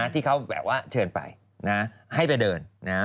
ที่เขาแบบว่าเชิญไปให้ไปเดิน